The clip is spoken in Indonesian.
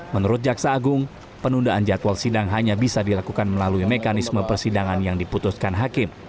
menurut jaksa agung penundaan jadwal sidang hanya bisa dilakukan melalui mekanisme persidangan yang diputuskan hakim